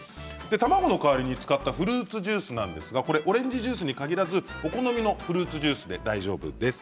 卵の代わりに使ったフルーツジュースですがオレンジジュースに限らずお好みのフルーツジュースで大丈夫です。